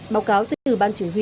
báo cáo từ ban chỉ huy